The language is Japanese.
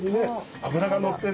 脂がのってね。